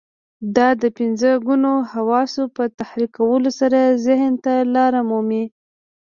دا د پنځه ګونو حواسو په تحريکولو سره ذهن ته لار مومي.